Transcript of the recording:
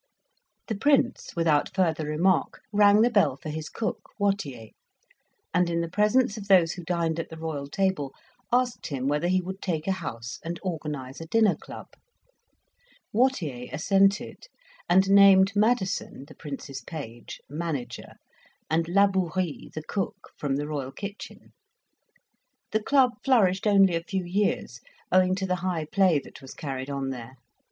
The Prince, without further remark, rang the bell for his cook, Wattier, and, in the presence of those who dined at the Royal table, asked him whether he would take a house and organize a dinner club. Wattier assented, and named Madison, the Prince's page, manager, and Labourie, the cook, from the Royal kitchen. The club flourished only a few years, owing to the high play that was carried on there.